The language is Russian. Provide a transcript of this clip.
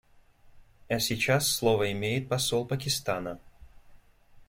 А сейчас слово имеет посол Пакистана.